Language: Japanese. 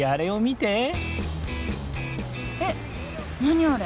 えっ何あれ？